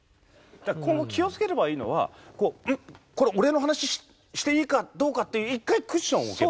今後気をつければいいのはこれ俺の話していいかどうかって一回クッションを置けば。